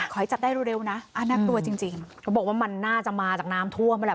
ขอให้จัดได้เร็วเร็วนะอาณาตัวจริงจริงเขาบอกว่ามันน่าจะมาจากน้ำทั่วมันแหละ